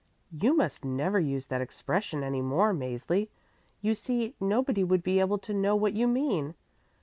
"You must never use that expression any more, Mäzli. You see, nobody would be able to know what you mean.